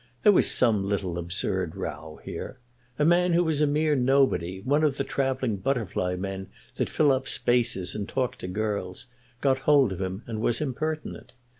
There was some little absurd row here. A man who was a mere nobody, one of the travelling butterfly men that fill up spaces and talk to girls, got hold of him and was impertinent.